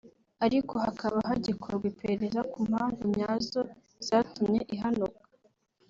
ariko hakaba hagikorwa iperereza ku mpamvu nyazo zatumye ihanuka